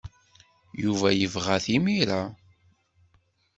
Yuba yebɣa-t imir-a.